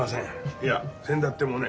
いやせんだってもね